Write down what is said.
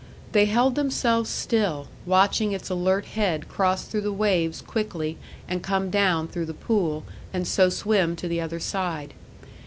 They held themselves still, watching its alert head cross through the waves quickly and come down through the pool, and so swim to the other side.